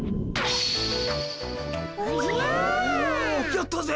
やったぜ！